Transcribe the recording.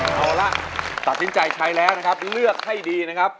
เอาละตัดสินใจใช้แล้วนะครับเลือกให้ดีนะครับ